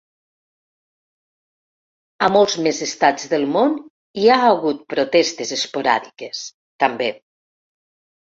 A molts més estats del món hi ha hagut protestes esporàdiques, també.